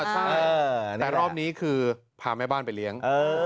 ใช่แต่รอบนี้คือพาแม่บ้านไปเลี้ยง